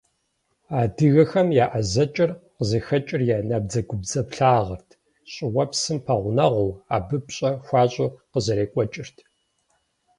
Адыгэхэм я ӏэзэкӏэр къызыхэкӏыр я набдзэгубдзаплъагъэрт, щӏыуэпсым пэгъунэгъуу, абы пщӏэ хуащӏу къызэрекӏуэкӏырт.